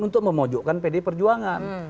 untuk memojokkan pdi perjuangan